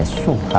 wah esok ya